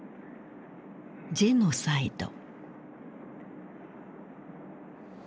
「ジェノサイド」。